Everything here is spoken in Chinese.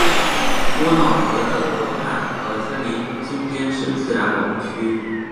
多瑙河的河畔和森林今天是自然保护区。